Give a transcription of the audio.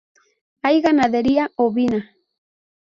Hay ganadería ovina.